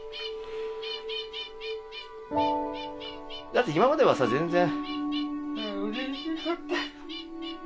だって今まではさ全然。